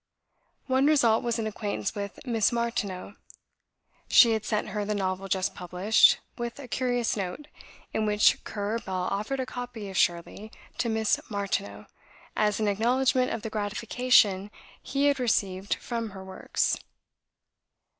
One result was an acquaintance with Miss Martineau. She had sent her the novel just published, with a curious note, in which Currer Bell offered a copy of "Shirley" to Miss Martineau, as an acknowledgment of the gratification he had received from her works.